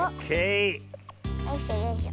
よいしょよいしょ。